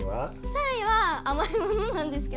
３位はあまいものなんですけど。